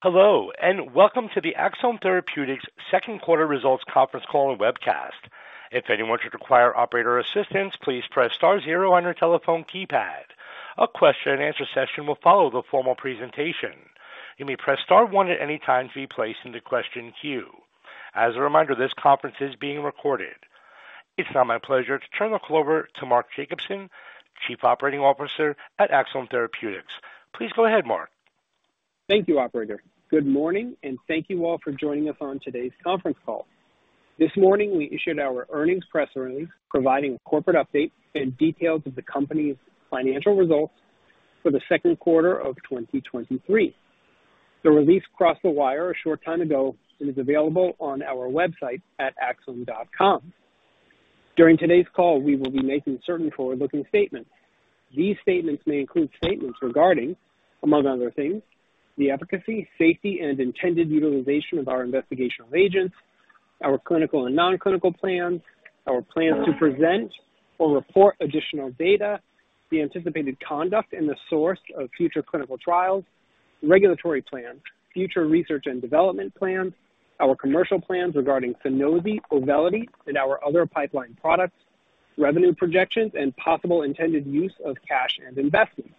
Hello, welcome to the Axsome Therapeutics second quarter results conference call and webcast. If anyone should require operator assistance, please press star zero on your telephone keypad. A question-and-answer session will follow the formal presentation. You may press star one at any time to be placed in the question queue. As a reminder, this conference is being recorded. It's now my pleasure to turn the call over to Mark Jacobson, Chief Operating Officer at Axsome Therapeutics. Please go ahead, Mark. Thank you, Operator. Good morning, and thank you all for joining us on today's conference call. This morning, we issued our earnings press release, providing a corporate update and details of the company's financial results for the second quarter of 2023. The release crossed the wire a short time ago and is available on our website at axsome.com. During today's call, we will be making certain forward-looking statements. These statements may include statements regarding, among other things, the efficacy, safety, and intended utilization of our investigational agents, our clinical and non-clinical plans, our plans to present or report additional data, the anticipated conduct and the source of future clinical trials, regulatory plans, future research and development plans, our commercial plans regarding SUNOSI, Auvelity, and our other pipeline products, revenue projections, and possible intended use of cash and investments.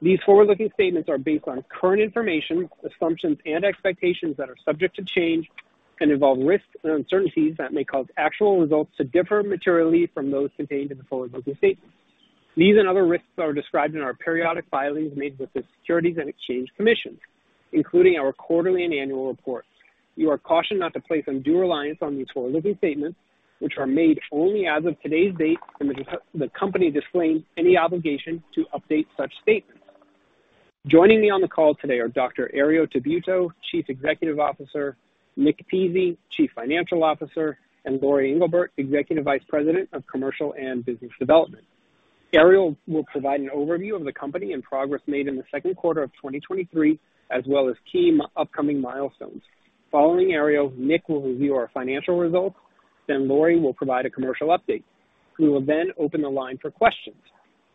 These forward-looking statements are based on current information, assumptions and expectations that are subject to change and involve risks and uncertainties that may cause actual results to differ materially from those contained in the forward-looking statements. These and other risks are described in our periodic filings made with the Securities and Exchange Commission, including our quarterly and annual reports. You are cautioned not to place undue reliance on these forward-looking statements, which are made only as of today's date, and the company disclaims any obligation to update such statements. Joining me on the call today are Dr. Herriot Tabuteau, Chief Executive Officer, Nick Pizzie, Chief Financial Officer, and Lori Englebert, Executive Vice President of Commercial and Business Development. Herriot will provide an overview of the company and progress made in the second quarter of 2023, as well as key upcoming milestones. Following Herriot, Nick will review our financial results, then Lori will provide a commercial update. We will then open the line for questions.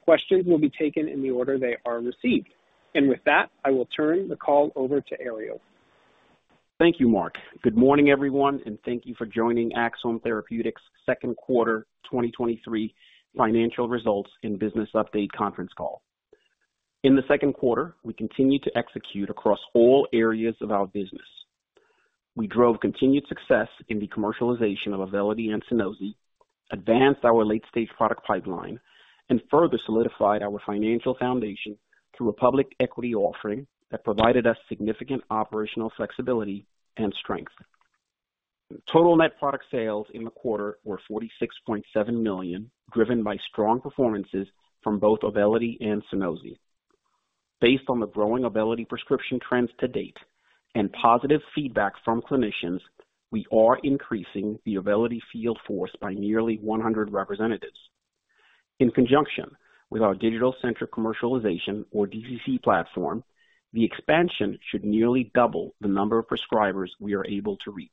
Questions will be taken in the order they are received. With that, I will turn the call over to Herriot. Thank you, Mark. Good morning, everyone, thank you for joining Axsome Therapeutics second quarter 2023 financial results and business update conference call. In the second quarter, we continued to execute across all areas of our business. We drove continued success in the commercialization of Auvelity and Sunosi, advanced our late-stage product pipeline, and further solidified our financial foundation through a public equity offering that provided us significant operational flexibility and strength. Total net product sales in the quarter were $46.7 million, driven by strong performances from both Auvelity and Sunosi. Based on the growing Auvelity prescription trends to date and positive feedback from clinicians, we are increasing the Auvelity field force by nearly 100 representatives. In conjunction with our Digital Centric Commercialization, or DCC platform, the expansion should nearly double the number of prescribers we are able to reach.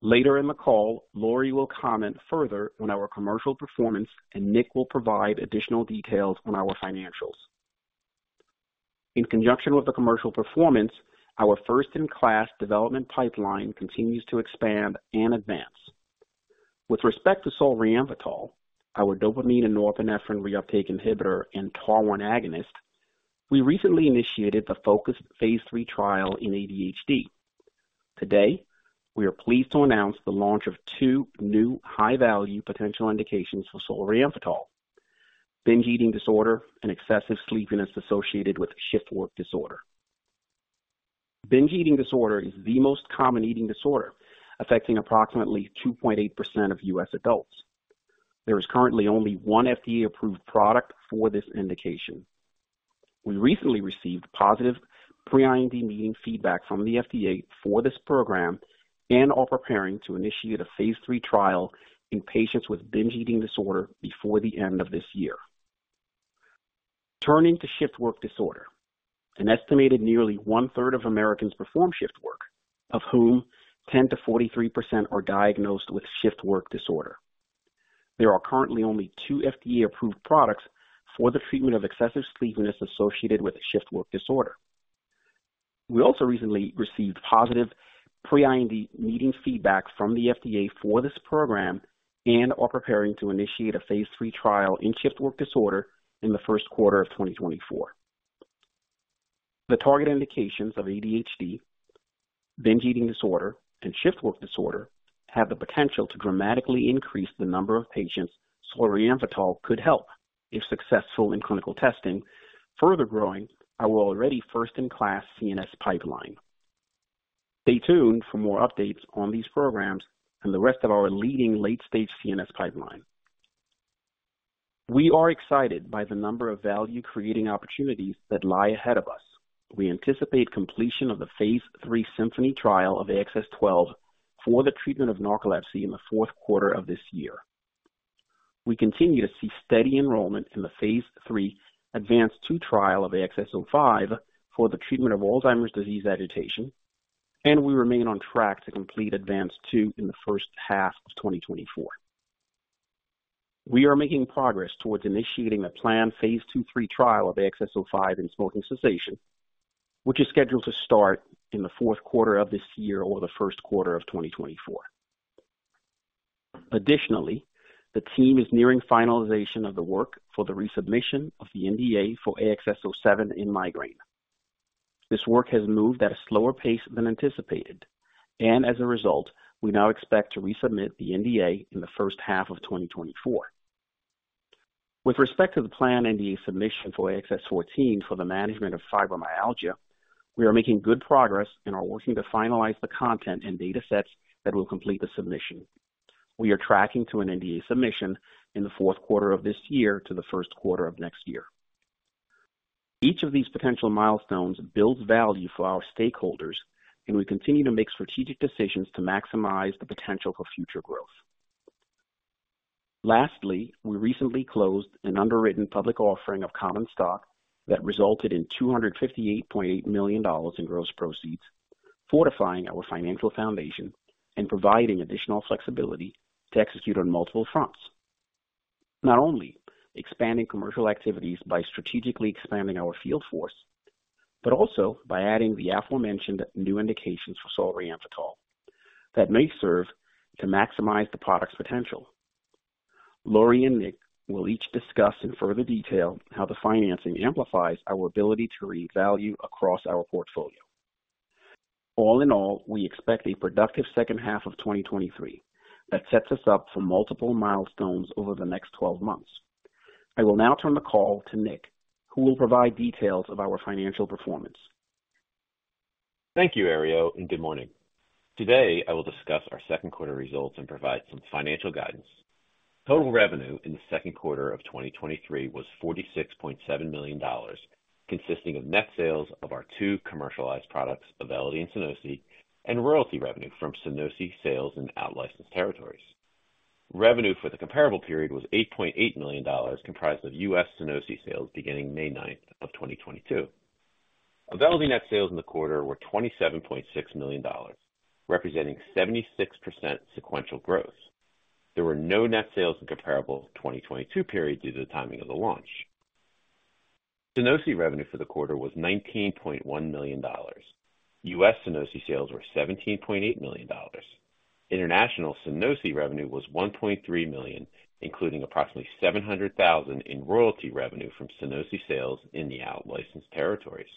Later in the call, Lori will comment further on our commercial performance. Nick will provide additional details on our financials. In conjunction with the commercial performance, our first-in-class development pipeline continues to expand and advance. With respect to solriamfetol, our dopamine and norepinephrine reuptake inhibitor and TAAR1 agonist, we recently initiated the focused phase 3 trial in ADHD. Today, we are pleased to announce the launch of 2 new high-value potential indications for solriamfetol: binge eating disorder and excessive sleepiness associated with shift work disorder. Binge eating disorder is the most common eating disorder, affecting approximately 2.8% of US adults. There is currently only 1 FDA-approved product for this indication. We recently received positive pre-IND meeting feedback from the FDA for this program and are preparing to initiate a phase 3 trial in patients with binge eating disorder before the end of this year. Turning to shift work disorder, an estimated nearly one-third of Americans perform shift work, of whom 10%-43% are diagnosed with shift work disorder. There are currently only two FDA-approved products for the treatment of excessive sleepiness associated with shift work disorder. We also recently received positive pre-IND meeting feedback from the FDA for this program and are preparing to initiate a phase 3 trial in shift work disorder in the first quarter of 2024. The target indications of ADHD, binge eating disorder, and shift work disorder have the potential to dramatically increase the number of patients solriamfetol could help if successful in clinical testing, further growing our already first-in-class CNS pipeline. Stay tuned for more updates on these programs and the rest of our leading late-stage CNS pipeline. We are excited by the number of value-creating opportunities that lie ahead of us. We anticipate completion of the phase 3 SYMPHONY trial of AXS-12 for the treatment of narcolepsy in the 4th quarter of this year. We continue to see steady enrollment in the phase 3 ADVANCE-2 trial of AXS-05 for the treatment of Alzheimer's disease agitation, and we remain on track to complete ADVANCE-2 in the 1st half of 2024. We are making progress towards initiating a planned phase 2, 3 trial of AXS-05 in smoking cessation, which is scheduled to start in the 4th quarter of this year or the 1st quarter of 2024. The team is nearing finalization of the work for the resubmission of the NDA for AXS-07 in migraine. This work has moved at a slower pace than anticipated, and as a result, we now expect to resubmit the NDA in the 1st half of 2024. With respect to the planned NDA submission for AXS-14 for the management of fibromyalgia, we are making good progress and are working to finalize the content and datasets that will complete the submission. We are tracking to an NDA submission in the fourth quarter of this year to the first quarter of next year. Each of these potential milestones builds value for our stakeholders, and we continue to make strategic decisions to maximize the potential for future growth. Lastly, we recently closed an underwritten public offering of common stock that resulted in $258.8 million in gross proceeds, fortifying our financial foundation and providing additional flexibility to execute on multiple fronts. Not only expanding commercial activities by strategically expanding our field force, but also by adding the aforementioned new indications for solriamfetol that may serve to maximize the product's potential. Lori and Nick will each discuss in further detail how the financing amplifies our ability to create value across our portfolio. All in all, we expect a productive second half of 2023 that sets us up for multiple milestones over the next 12 months. I will now turn the call to Nick, who will provide details of our financial performance. Thank you, Herriot, and good morning. Today, I will discuss our second quarter results and provide some financial guidance. Total revenue in the second quarter of 2023 was $46.7 million, consisting of net sales of our two commercialized products, Auvelity and Sunosi, and royalty revenue from Sunosi sales in out licensed territories. Revenue for the comparable period was $8.8 million, comprised of U.S. Sunosi sales beginning May 9, 2022. Auvelity net sales in the quarter were $27.6 million, representing 76% sequential growth. There were no net sales in comparable 2022 period due to the timing of the launch. Sunosi revenue for the quarter was $19.1 million. U.S. Sunosi sales were $17.8 million. International SUNOSI revenue was $1.3 million, including approximately $700,000 in royalty revenue from SUNOSI sales in the out licensed territories.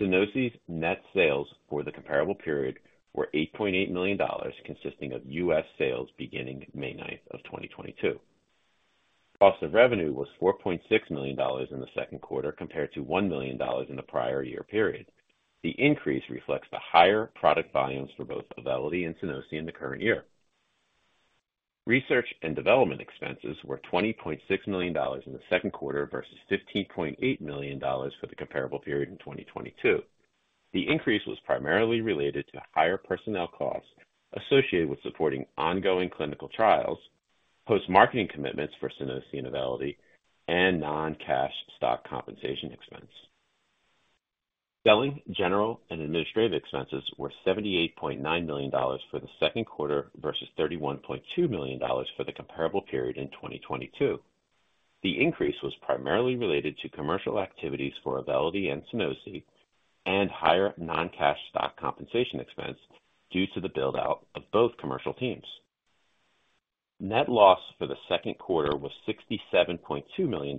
SUNOSI's net sales for the comparable period were $8.8 million, consisting of U.S. sales beginning May 9th of 2022. Cost of revenue was $4.6 million in the second quarter, compared to $1 million in the prior year period. The increase reflects the higher product volumes for both Auvelity and SUNOSI in the current year. Research and development expenses were $20.6 million in the second quarter versus $15.8 million for the comparable period in 2022. The increase was primarily related to higher personnel costs associated with supporting ongoing clinical trials, post-marketing commitments for SUNOSI and Auvelity, and non-cash stock compensation expense. Selling, general, and administrative expenses were $78.9 million for the second quarter versus $31.2 million for the comparable period in 2022. The increase was primarily related to commercial activities for Auvelity and Sunosi and higher non-cash stock compensation expense due to the build-out of both commercial teams. Net loss for the second quarter was $67.2 million,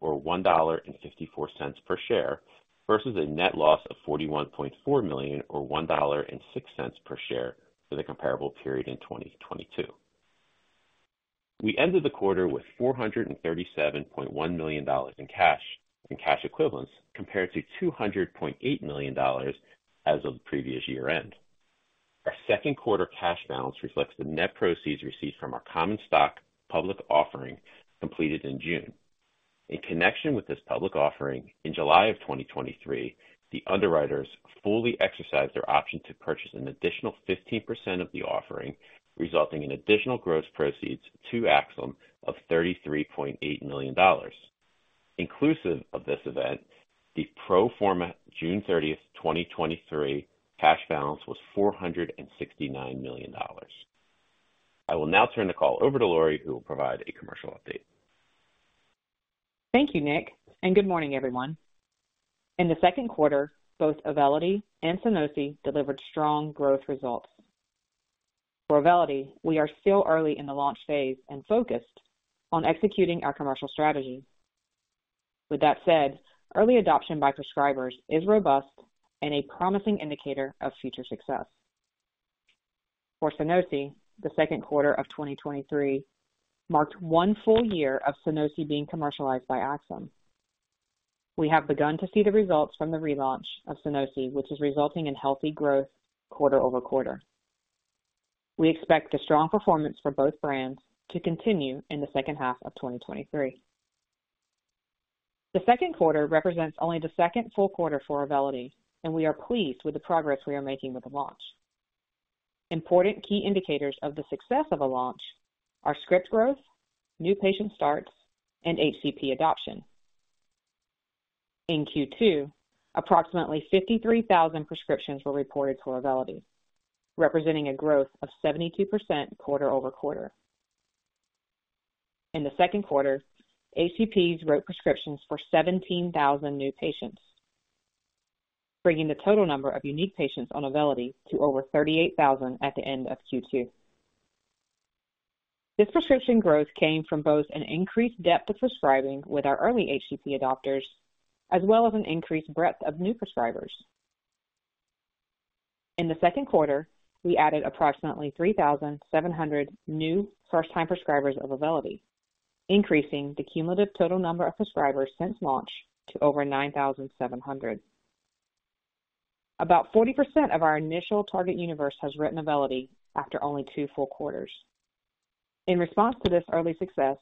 or $1.54 per share, versus a net loss of $41.4 million, or $1.06 per share for the comparable period in 2022. We ended the quarter with $437.1 million in cash and cash equivalents, compared to $200.8 million as of the previous year-end. Oursecond quarter cash balance reflects the net proceeds received from our common stock public offering completed in June. In connection with this public offering, in July of 2023, the underwriters fully exercised their option to purchase an additional 15% of the offering, resulting in additional gross proceeds to Axsome of $33.8 million. Inclusive of this event, the pro forma June 30, 2023, cash balance was $469 million. I will now turn the call over to Lori, who will provide a commercial update. Thank you, Nick. Good morning, everyone. In the second quarter, both Auvelity and Sunosi delivered strong growth results. For Auvelity, we are still early in the launch phase and focused on executing our commercial strategy. With that said, early adoption by prescribers is robust and a promising indicator of future success. For Sunosi, the second quarter of 2023 marked 1 full year of Sunosi being commercialized by Axsome. We have begun to see the results from the relaunch of Sunosi, which is resulting in healthy growth quarter-over-quarter. We expect a strong performance for both brands to continue in the second half of 2023. The second quarter represents only the second full quarter for Auvelity. We are pleased with the progress we are making with the launch. Important key indicators of the success of a launch are script growth, new patient starts, and HCP adoption.... In Q2, approximately 53,000 prescriptions were reported for Auvelity, representing a growth of 72% quarter-over-quarter. In the second quarter, HCPs wrote prescriptions for 17,000 new patients, bringing the total number of unique patients on Auvelity to over 38,000 at the end of Q2. This prescription growth came from both an increased depth of prescribing with our early HCP adopters, as well as an increased breadth of new prescribers. In the second quarter, we added approximately 3,700 new first-time prescribers of Auvelity, increasing the cumulative total number of prescribers since launch to over 9,700. About 40% of our initial target universe has written Auvelity after only two full quarters. In response to this early success,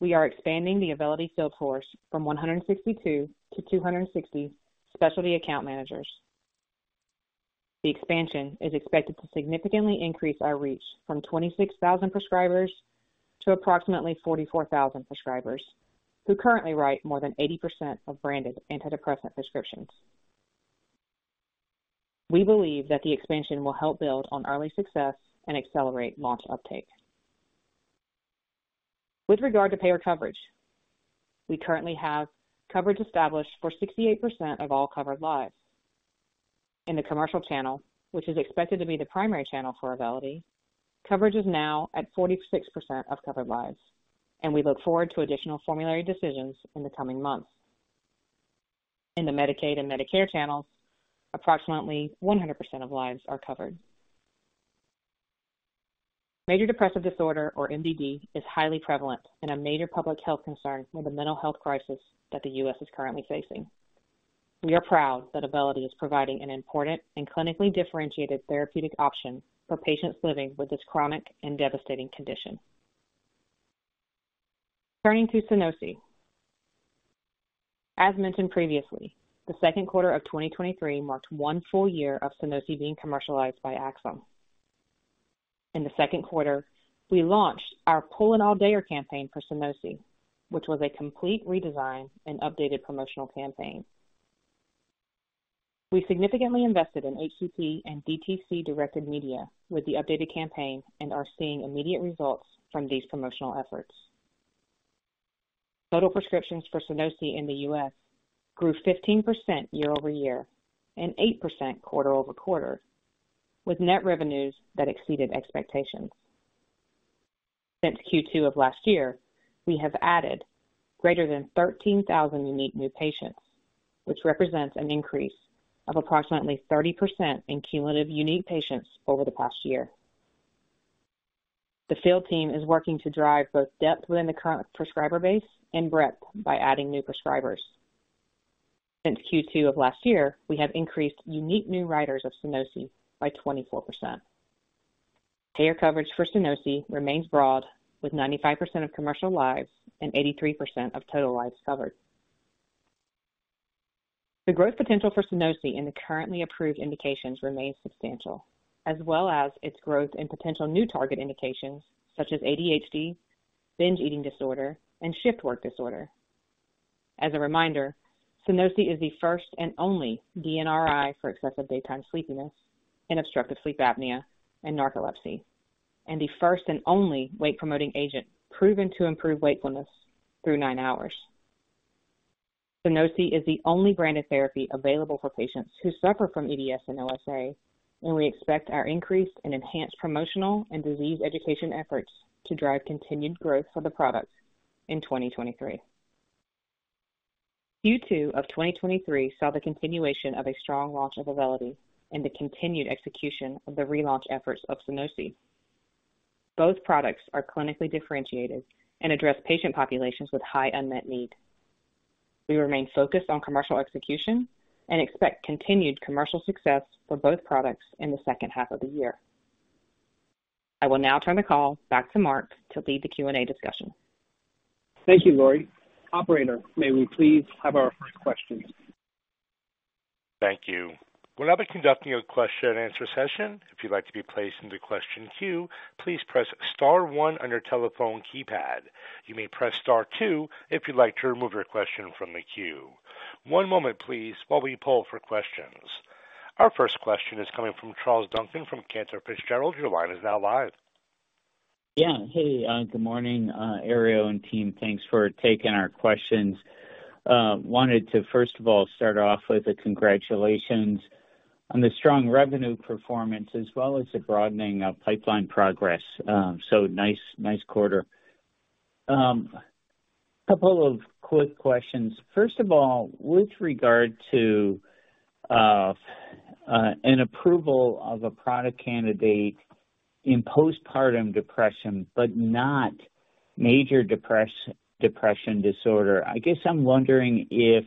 we are expanding the Auvelity sales force from 162 to 260 specialty account managers. The expansion is expected to significantly increase our reach from 26,000 prescribers to approximately 44,000 prescribers, who currently write more than 80% of branded antidepressant prescriptions. We believe that the expansion will help build on early success and accelerate launch uptake. With regard to payer coverage, we currently have coverage established for 68% of all covered lives. In the commercial channel, which is expected to be the primary channel for Auvelity, coverage is now at 46% of covered lives, and we look forward to additional formulary decisions in the coming months. In the Medicaid and Medicare channels, approximately 100% of lives are covered. Major depressive disorder, or MDD, is highly prevalent and a major public health concern in the mental health crisis that the U.S. is currently facing. We are proud that Auvelity is providing an important and clinically differentiated therapeutic option for patients living with this chronic and devastating condition. Turning to Sunosi. As mentioned previously, the second quarter of 2023 marked 1 full year of Sunosi being commercialized by Axsome. In the second quarter, we launched our Full of Full Days campaign for Sunosi, which was a complete redesign and updated promotional campaign. We significantly invested in HCP and DTC-directed media with the updated campaign and are seeing immediate results from these promotional efforts. Total prescriptions for Sunosi in the US grew 15% year-over-year and 8% quarter-over-quarter, with net revenues that exceeded expectations. Since Q2 of last year, we have added greater than 13,000 unique new patients, which represents an increase of approximately 30% in cumulative unique patients over the past year. The field team is working to drive both depth within the current prescriber base and breadth by adding new prescribers. Since Q2 of last year, we have increased unique new writers of SUNOSI by 24%. Payer coverage for SUNOSI remains broad, with 95% of commercial lives and 83% of total lives covered. The growth potential for SUNOSI in the currently approved indications remains substantial, as well as its growth in potential new target indications such as ADHD, binge eating disorder, and shift work disorder. As a reminder, SUNOSI is the first and only DNRI for excessive daytime sleepiness in obstructive sleep apnea and narcolepsy, and the first and only wake-promoting agent proven to improve wakefulness through 9 hours. Sunosi is the only branded therapy available for patients who suffer from EDS and OSA, and we expect our increased and enhanced promotional and disease education efforts to drive continued growth for the product in 2023. Q2 of 2023 saw the continuation of a strong launch of Auvelity and the continued execution of the relaunch efforts of Sunosi. Both products are clinically differentiated and address patient populations with high unmet need. We remain focused on commercial execution and expect continued commercial success for both products in the second half of the year. I will now turn the call back to Mark to lead the Q&A discussion. Thank you, Lori. Operator, may we please have our first question? Thank you. We'll now be conducting a question and answer session. If you'd like to be placed into question queue, please press star one on your telephone keypad. You may press star two if you'd like to remove your question from the queue. One moment please, while we poll for questions. Our first question is coming from Charles Duncan from Cantor Fitzgerald. Your line is now live. Yeah. Hey, good morning, Herriot Tabuteau and team. Thanks for taking our questions. Wanted to, first of all, start off with a congratulations on the strong revenue performance, as well as the broadening of pipeline progress. So nice, nice quarter. Couple of quick questions. First of all, with regard to an approval of a product candidate in postpartum depression, but not major depressive disorder, I guess I'm wondering if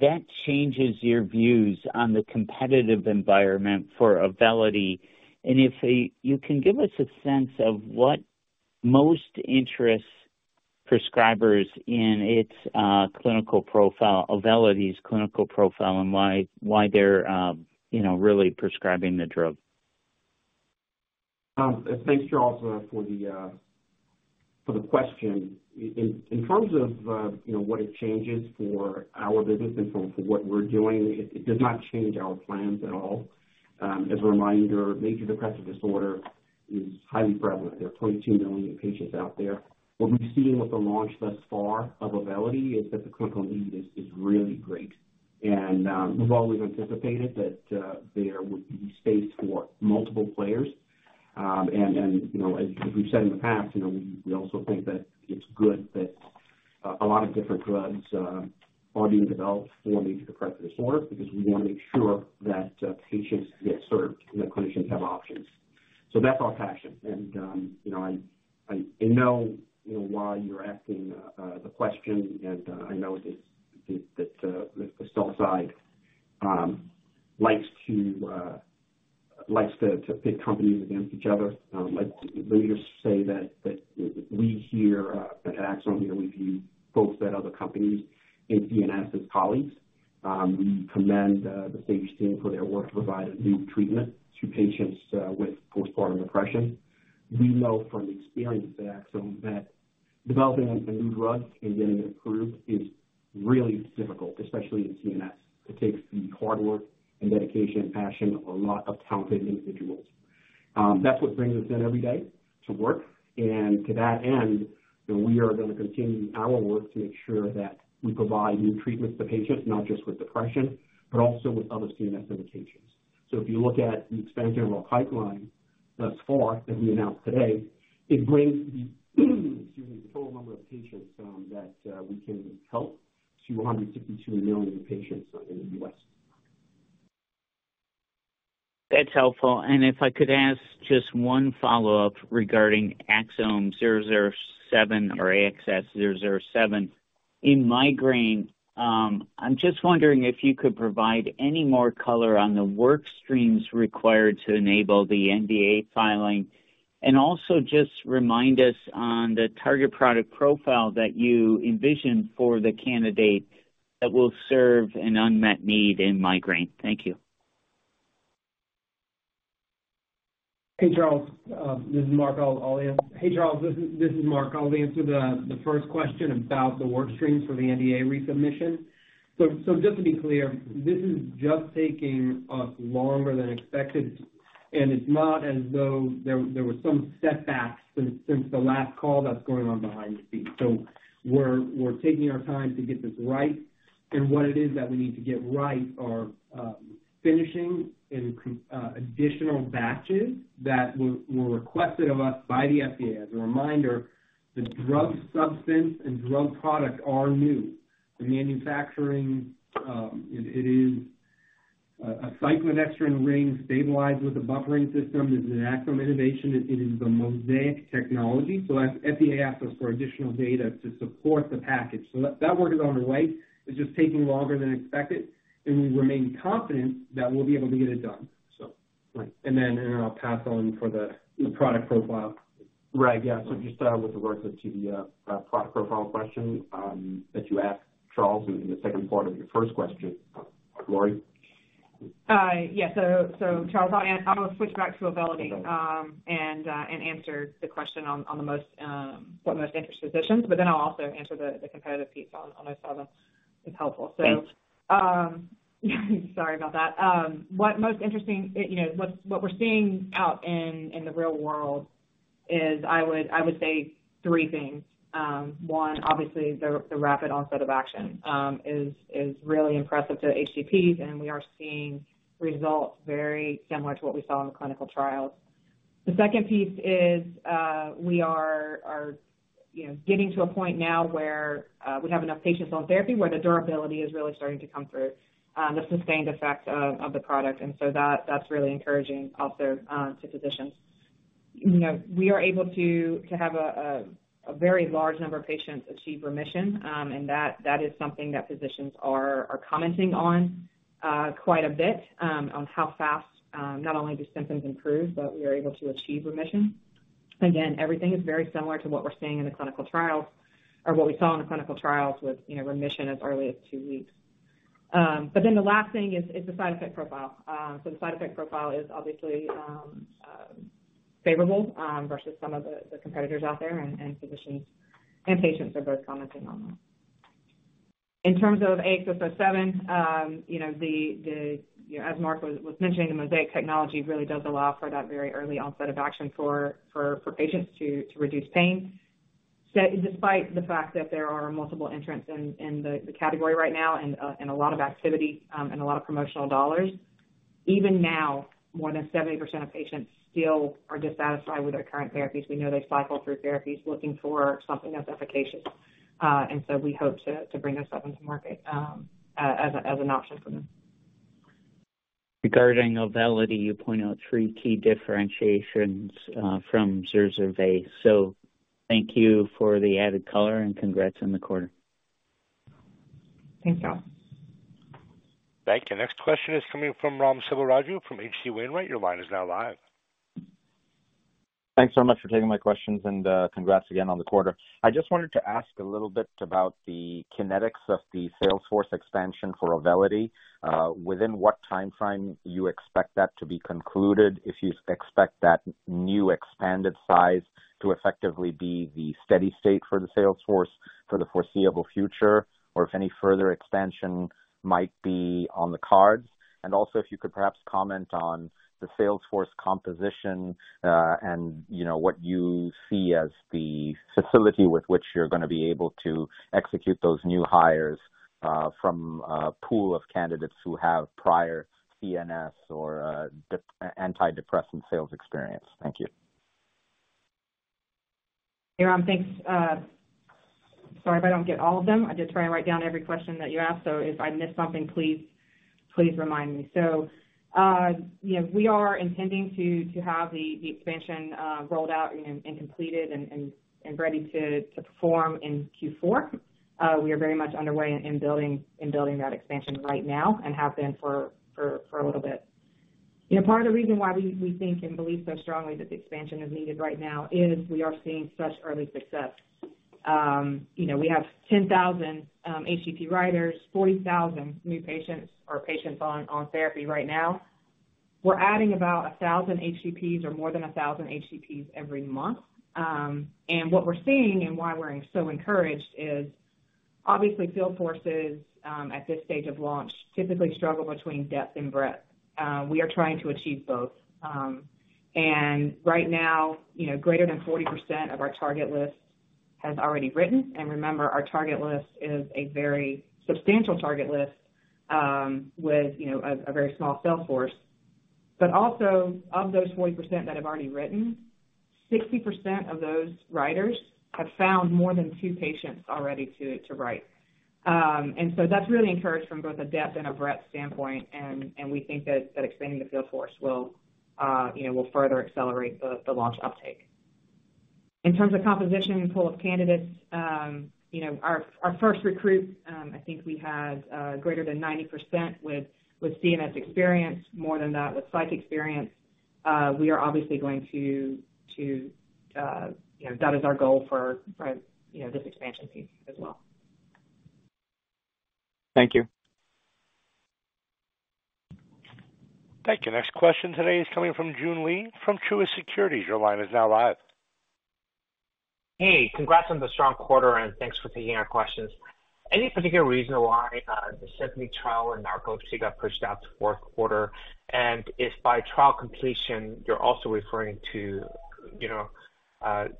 that changes your views on the competitive environment for Auvelity, if you can give us a sense of what most interests prescribers in its clinical profile, Auvelity's clinical profile, and why they're, you know, really prescribing the drug? ...thanks, Charles, for the question. In, in terms of, you know, what it changes for our business and for, for what we're doing, it, it does not change our plans at all. As a reminder, major depressive disorder is highly prevalent. There are 22 million patients out there. What we've seen with the launch thus far of Auvelity is that the clinical need is, is really great. We've always anticipated that there would be space for multiple players. You know, as we've said in the past, you know, we, we also think that it's good that a lot of different drugs are being developed for major depressive disorder, because we want to make sure that patients get served and that clinicians have options. That's our passion. you know, I, I, I know, you know, why you're asking the question, and I know that, that, that, the sell side likes to pit companies against each other. Let me just say that, that we here at Axsome, you know, we view folks at other companies in CNS as colleagues. We commend the Sage team for their work to provide a new treatment to patients with postpartum depression. We know from experience at Axsome that developing a new drug and getting it approved is really difficult, especially in CNS. It takes the hard work and dedication and passion of a lot of talented individuals. That's what brings us in every day to work. To that end, we are going to continue our work to make sure that we provide new treatments to patients, not just with depression, but also with other CNS indications. If you look at the expanded general pipeline thus far, as we announced today, it brings the, excuse me, total number of patients that we can help to 152 million patients in the US. That's helpful. If I could ask just one follow-up regarding AXS-07 or AXS-07. In migraine, I'm just wondering if you could provide any more color on the work streams required to enable the NDA filing, and also just remind us on the target product profile that you envision for the candidate that will serve an unmet need in migraine. Thank you. Hey, Charles, this is Mark. I'll answer. Hey, Charles, this is Mark. I'll answer the first question about the work streams for the NDA resubmission. Just to be clear, this is just taking us longer than expected, and it's not as though there was some setback since the last call that's going on behind the scenes. We're taking our time to get this right. And what it is that we need to get right are finishing and additional batches that were requested of us by the FDA. As a reminder, the drug substance and drug product are new. The manufacturing, it is a cyclodextrin ring stabilized with a buffering system. This is an Axsome innovation. It is a MoSEIC technology, so that's FDA asked us for additional data to support the package. That, that work is underway. It's just taking longer than expected, and we remain confident that we'll be able to get it done. I'll pass on for the, the product profile. Right. Yeah. So just, with regards to the, product profile question, that you asked, Charles, in, in the second part of your first question. Lori? Yes. So Charles, I'll, I'll switch back to Auvelity, and answer the question on, on the most, what most interests physicians, but then I'll also answer the, the competitive piece on, on those other, if helpful. Thanks. Sorry about that. What most interesting, you know, what's, what we're seeing out in, in the real world is I would, I would say three things. One, obviously the, the rapid onset of action, is, is really impressive to HCPs, and we are seeing results very similar to what we saw in the clinical trials. The second piece is, we are, are, you know, getting to a point now where, we have enough patients on therapy, where the durability is really starting to come through, the sustained effect of, of the product, and so that, that's really encouraging also, to physicians. You know, we are able to, to have a, a, a very large number of patients achieve remission, and that, that is something that physicians are commenting on quite a bit on how fast not only do symptoms improve, but we are able to achieve remission. Again, everything is very similar to what we're seeing in the clinical trials or what we saw in the clinical trials with, you know, remission as early as 2 weeks. The last thing is, is the side effect profile. The side effect profile is obviously favorable versus some of the competitors out there, and physicians and patients are both commenting on that. In terms of AXS-07, you know, the, the, as Mark was, was mentioning, the MoSEIC technology really does allow for that very early onset of action for, for, for patients to, to reduce pain. Despite the fact that there are multiple entrants in, in the, the category right now and a lot of activity, and a lot of promotional dollars, even now, more than 70% of patients still are dissatisfied with their current therapies. We know they cycle through therapies looking for something that's efficacious. We hope to, to bring this up into market as a, as an option for them. Regarding Auvelity, you point out three key differentiations from Zurzuvae base. Thank you for the added color and congrats on the quarter. Thanks, Charles. Thank you. Next question is coming from Raghuram Selvaraju from H.C. Wainwright. Your line is now live.... Thanks so much for taking my questions, and congrats again on the quarter. I just wanted to ask a little bit about the kinetics of the sales force expansion for Auvelity. Within what time frame you expect that to be concluded? If you expect that new expanded size to effectively be the steady state for the sales force for the foreseeable future, or if any further expansion might be on the cards. And also, if you could perhaps comment on the sales force composition, and, you know, what you see as the facility with which you're going to be able to execute those new hires, from a pool of candidates who have prior CNS or antidepressant sales experience. Thank you. Hey, Ram. Thanks. Sorry if I don't get all of them. I did try and write down every question that you asked, so if I miss something, please, please remind me. Yeah, we are intending to, to have the, the expansion rolled out and, and completed and, and, and ready to, to perform in Q4. We are very much underway in building, in building that expansion right now and have been for, for, for a little bit. You know, part of the reason why we, we think and believe so strongly that the expansion is needed right now is we are seeing such early success. You know, we have 10,000 HCP writers, 40,000 new patients or patients on, on therapy right now. We're adding about 1,000 HCPs or more than 1,000 HCPs every month. What we're seeing and why we're so encouraged is obviously, field forces at this stage of launch, typically struggle between depth and breadth. We are trying to achieve both. Right now, you know, greater than 40% of our target list has already written, and remember, our target list is a very substantial target list, with, you know, a, a very small sales force. Also, of those 40% that have already written, 60% of those writers have found more than 2 patients already to, to write. That's really encouraged from both a depth and a breadth standpoint, and, and we think that, that expanding the field force will, you know, will further accelerate the, the launch uptake. In terms of composition and pool of candidates, you know, our, our first recruit, I think we had greater than 90% with, with CNS experience, more than that with psych experience. We are obviously going to, to, you know, that is our goal for, for, you know, this expansion team as well. Thank you. Thank you. Next question today is coming from Joon Lee from Truist Securities. Your line is now live. Hey, congrats on the strong quarter. Thanks for taking our questions. Any particular reason why the SYMPHONY trial in narcolepsy got pushed out to fourth quarter? If by trial completion, you're also referring to, you know,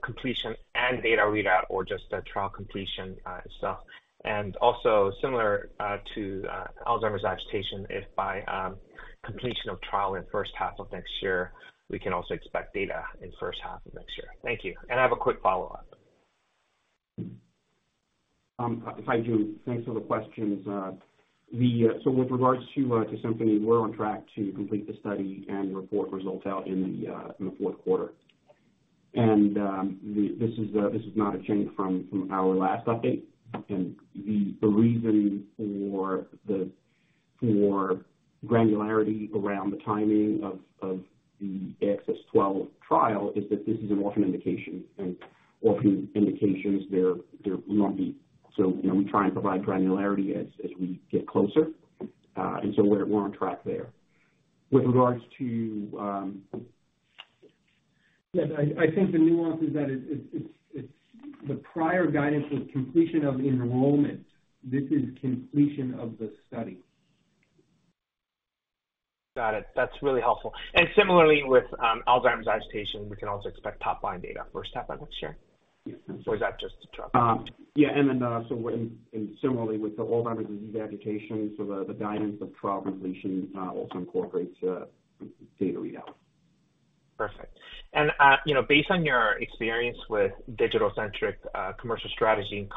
completion and data readout or just the trial completion itself. Also similar to Alzheimer's agitation, if by completion of trial in first half of next year, we can also expect data in first half of next year. Thank you. I have a quick follow-up. Hi, Jun. Thanks for the questions. With regards to SYMPHONY, we're on track to complete the study and report results out in the fourth quarter. This is not a change from our last update. The reason for the granularity around the timing of the AXS-12 trial is that this is an orphan indication, and orphan indications, they're lumpy. You know, we try and provide granularity as we get closer. We're on track there. With regards to- Yeah, I, I think the nuance is that it, it's, it's, the prior guidance was completion of the enrollment. This is completion of the study. Got it. That's really helpful. Similarly, with, Alzheimer's agitation, we can also expect top-line data first half of next year? Yes. Is that just the trial? Yeah, and then, so and, and similarly, with the Alzheimer's disease agitation, so the, the guidance of trial completion, also incorporates, data readout. Perfect. You know, based on your experience with Digital Centric commercial strategy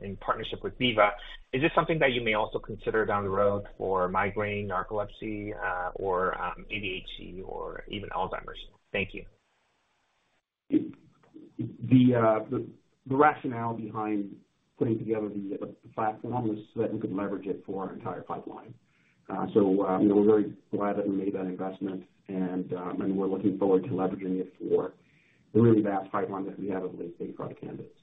in partnership with Veeva, is this something that you may also consider down the road for migraine, narcolepsy, or ADHD or even Alzheimer's? Thank you. The rationale behind putting together the platform was so that we could leverage it for our entire pipeline. You know, we're very glad that we made that investment, and we're looking forward to leveraging it for the really vast pipeline that we have of late-stage product candidates.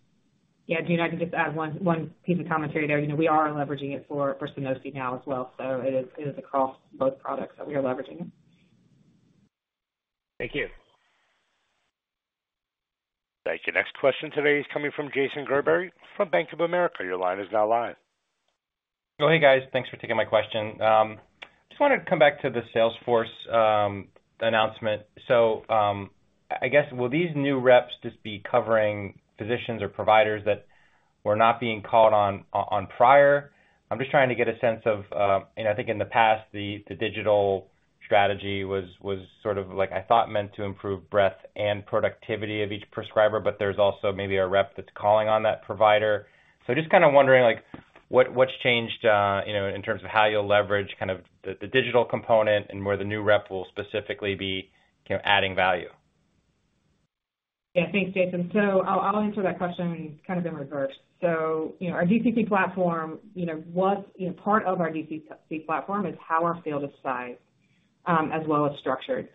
Joon, I can just add one, one piece of commentary there. You know, we are leveraging it for, for Sunosi now as well, so it is, it is across both products that we are leveraging. Thank you. Thank you. Next question today is coming from Jason Gerberry from Bank of America. Your line is now live. Oh, hey, guys. Thanks for taking my question. just wanted to come back to the sales force, announcement. So, I guess, will these new reps just be covering physicians or providers that were not being called on, on prior? I'm just trying to get a sense of, and I think in the past, the, the digital strategy was, was sort of like, I thought, meant to improve breadth and productivity of each prescriber, but there's also maybe a rep that's calling on that provider. So just kind of wondering, like, what, what's changed, you know, in terms of how you'll leverage kind of the, the digital component and where the new rep will specifically be, you know, adding value? Yeah. Thanks, Jason. I'll answer that question kind of in reverse. Our DCC platform, you know, was, you know, part of our DCC platform is how our field is sized, as well as structured.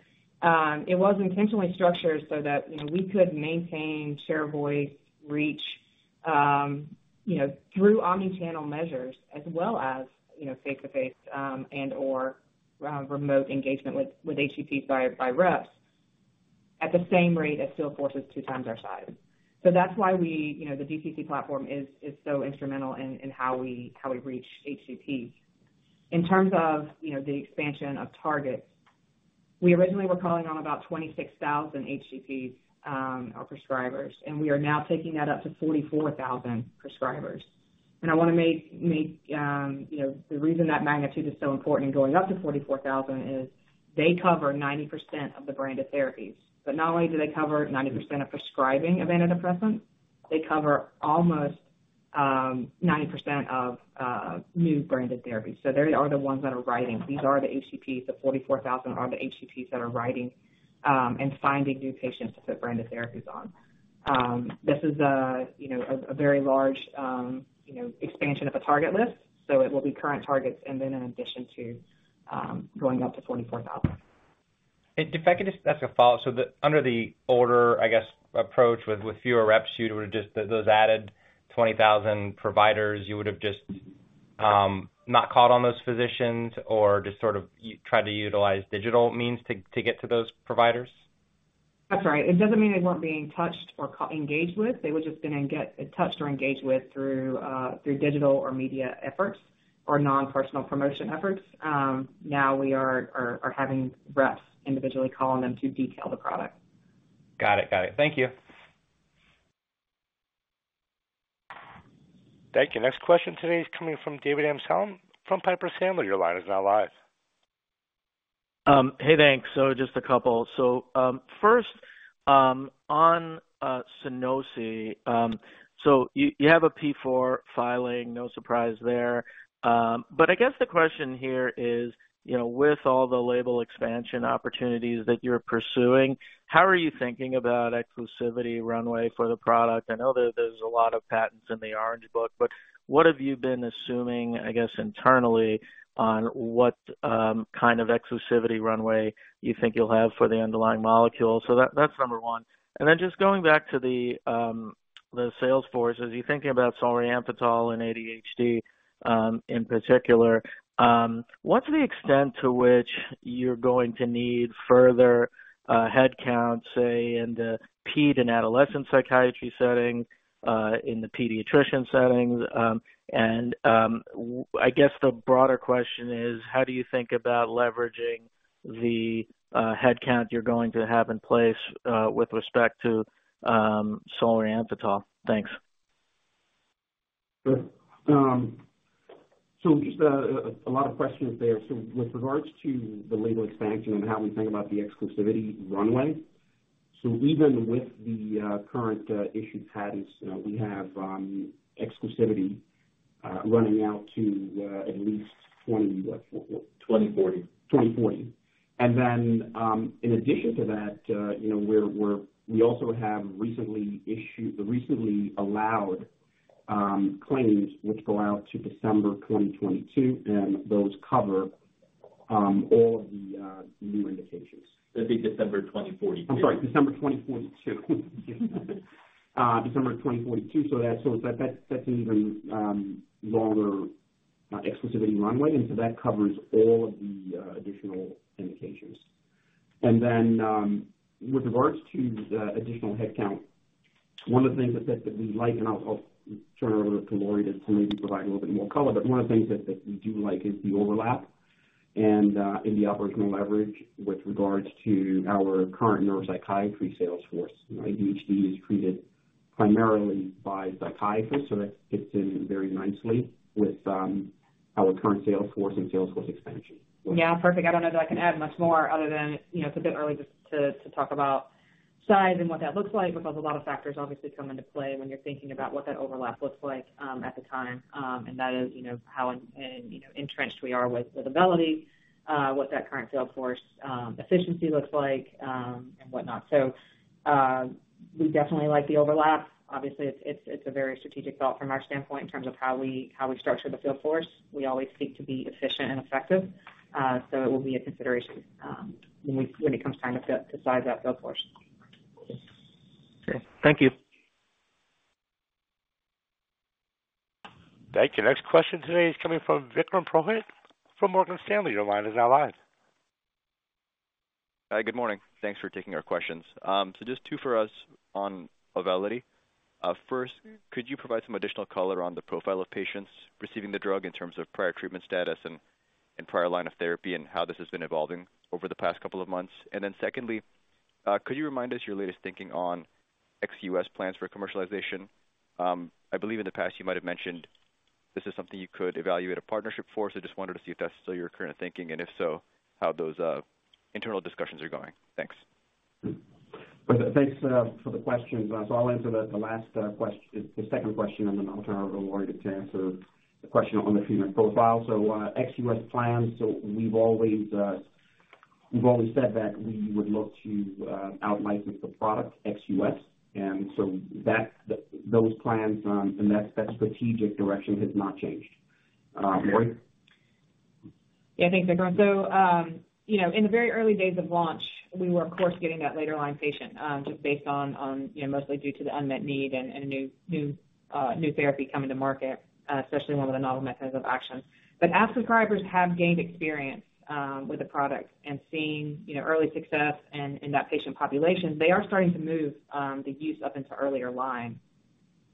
It was intentionally structured so that, you know, we could maintain share of voice, you know, through omni-channel measures as well as, you know, face-to-face, and/or remote engagement with HCPs by reps at the same rate as field forces two times our size. That's why we, you know, the DTC platform is so instrumental in how we reach HCPs. In terms of, you know, the expansion of targets, we originally were calling on about 26,000 HCPs, or prescribers, and we are now taking that up to 44,000 prescribers. I want to make, make, you know, the reason that magnitude is so important in going up to 44,000 is they cover 90% of the branded therapies. Not only do they cover 90% of prescribing a antidepressant, they cover almost, 90% of new branded therapies. They are the ones that are writing. These are the HCPs, the 44,000 are the HCPs that are writing, and finding new patients to put branded therapies on. This is a, you know, a, a very large, you know, expansion of a target list, so it will be current targets and then in addition to, going up to 44,000. If I could just ask a follow-up. The under the older, I guess, approach with, with fewer reps, you would have just, those added 20,000 providers, you would have just, not called on those physicians or just sort of tried to utilize digital means to, to get to those providers? That's right. It doesn't mean they weren't being touched or engaged with. They were just going to get touched or engaged with through digital or media efforts or non-personal promotion efforts. Now we are having reps individually calling them to detail the product. Got it. Got it. Thank you. Thank you. Next question today is coming from David Amsellem from Piper Sandler. Your line is now live. Hey, thanks. Just a couple. First, on SUNOSI. You, you have a P4 filing, no surprise there. I guess the question here is, you know, with all the label expansion opportunities that you're pursuing, how are you thinking about exclusivity runway for the product? I know that there's a lot of patents in the Orange Book, but what have you been assuming, I guess, internally, on what kind of exclusivity runway you think you'll have for the underlying molecule? That- that's number 1. Then just going back to the sales force, as you're thinking about solriamfetol and ADHD, in particular, what's the extent to which you're going to need further headcount, say, in the ped and adolescent psychiatry setting, in the pediatrician settings? I guess the broader question is: How do you think about leveraging the headcount you're going to have in place with respect to solriamfetol? Thanks. Sure. just a lot of questions there. with regards to the label expansion and how we think about the exclusivity runway, even with the, current, issued patents, we have, exclusivity, running out to, at least 20 what? 2042. 2040. Then, in addition to that, you know, we also have recently issued, recently allowed, claims which go out to December 2022, and those cover all of the new indications. I think December 2042. I'm sorry, December 2042. December of 2042. That, so that, that's, that's an even longer exclusivity runway, and so that covers all of the additional indications. With regards to the additional headcount, one of the things that, that, that we like, and I'll, I'll turn it over to Lori, just to maybe provide a little bit more color, but one of the things that, that we do like is the overlap and in the operational leverage with regards to our current neuropsychiatry sales force. You know, ADHD is treated primarily by psychiatrists, so that fits in very nicely with our current sales force and sales force expansion. Yeah, perfect. I don't know that I can add much more other than, you know, it's a bit early to, to, to talk about size and what that looks like, because a lot of factors obviously come into play when you're thinking about what that overlap looks like, at the time. That is, you know, how, you know, entrenched we are with, with Auvelity, what that current sales force efficiency looks like, and whatnot. We definitely like the overlap. Obviously, it's, it's, a very strategic thought from our standpoint in terms of how we, how we structure the field force. We always seek to be efficient and effective, so it will be a consideration, when we, when it comes time to size that field force. Okay. Thank you. Thank you. Next question today is coming from Vikram Purohit from Morgan Stanley. Your line is now live. Hi, good morning. Thanks for taking our questions. Just two for us on Auvelity. First, could you provide some additional color on the profile of patients receiving the drug in terms of prior treatment status and prior line of therapy, and how this has been evolving over the past couple of months? Secondly, could you remind us your latest thinking on ex-US plans for commercialization? I believe in the past you might have mentioned this is something you could evaluate a partnership for. I just wanted to see if that's still your current thinking, and if so, how those internal discussions are going. Thanks. Thanks for the question. I'll answer the last, the second question, and then I'll turn it over to Lori to answer the question on the treatment profile. Ex-US plans, we've always, we've always said that we would look to outlicense the product ex-US, and that, those plans, and that, that strategic direction has not changed. Lori? Yeah, thanks, Vikram. You know, in the very early days of launch, we were, of course, getting that later line patient, just based on, on, you know, mostly due to the unmet need and, and a new, new, new therapy coming to market, especially one with a novel mechanism of action. But as prescribers have gained experience with the product and seen, you know, early success in that patient population, they are starting to move the use up into earlier line.